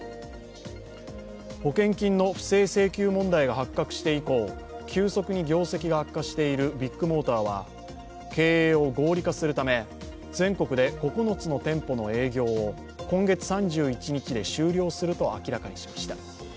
保険金の不正請求問題が発覚して以降、急速に業績が悪化しているビッグモーターは経営を合理化するため、全国で９つの店舗の営業を今月３１日で終了すると明らかにしました。